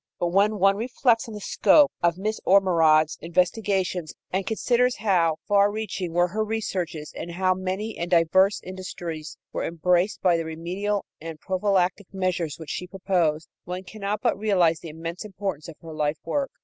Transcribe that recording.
But when one reflects on the scope of Miss Ormerod's investigations and considers how far reaching were her researches and how many and diverse industries were embraced by the remedial and prophylactic measures which she proposed, one cannot but realize the immense importance of her life work.